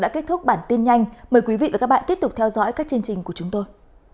các bạn hãy tiếp tục theo dõi các chương trình của chúng tôi